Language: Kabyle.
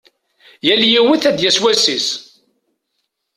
Yal yiwet ad d-yas wass-is.